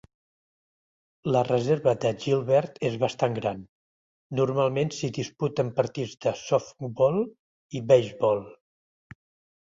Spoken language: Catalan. La reserva de Gilbert és bastant gran. Normalment s'hi disputen partits de softbol i beisbol.